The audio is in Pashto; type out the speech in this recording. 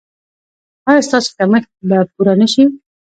ایا ستاسو کمښت به پوره نه شي؟